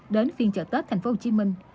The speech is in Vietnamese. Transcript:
đến phiên chợ tết tp hcm